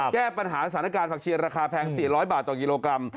แก้ปัญหาสถานการณ์ผักเชียราคาแพง๔๐๐บาทต่อกิโลกรัม